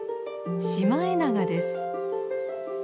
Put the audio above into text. シマエナガです。